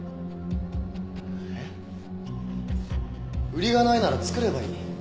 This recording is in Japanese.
売りがないなら作ればいい。